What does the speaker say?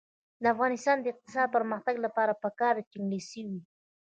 د افغانستان د اقتصادي پرمختګ لپاره پکار ده چې انګلیسي وي.